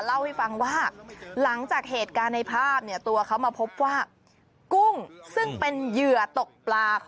เล่าให้ฟังว่าหลังจากเหตุการณ์ในภาพเนี่ยตัวเขามาพบว่ากุ้งซึ่งเป็นเหยื่อตกปลา